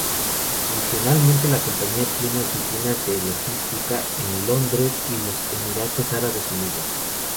Adicionalmente, la compañía tiene oficinas de logística en Londres y los Emiratos Árabes Unidos.